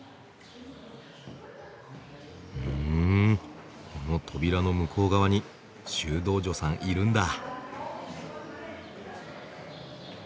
ふんこの扉の向こう側に修道女さんいるんだ。